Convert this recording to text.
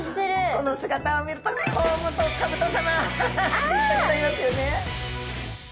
この姿を見ると甲本甲さま！って言いたくなりますよね。